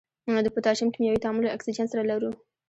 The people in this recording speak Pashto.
د پوتاشیم کیمیاوي تعامل له اکسیجن سره لرو.